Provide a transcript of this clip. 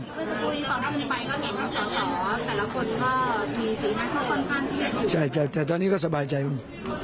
แต่ละคนก็มีสิทธิ์ใช่ใช่แต่ตอนนี้ก็สบายใจมาก